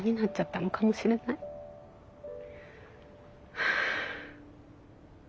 はあ。